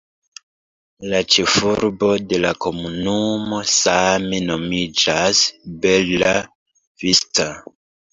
La ĉefurbo de la komunumo same nomiĝas Bella Vista.